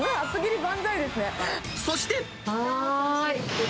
そして。